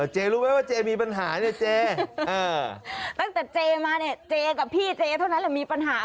เจ๊รู้ไหมว่าเจมีปัญหาเนี่ยเจตั้งแต่เจมาเนี่ยเจกับพี่เจเท่านั้นแหละมีปัญหา